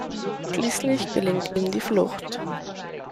Schließlich gelingt ihm die Flucht.